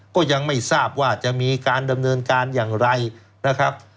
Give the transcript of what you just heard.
ก็ยังไม่ทราบว่าจะมีการดำเนินการอย่างไรนะครับ